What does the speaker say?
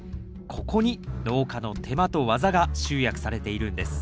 ここに農家の手間と技が集約されているんです